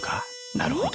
なるほど。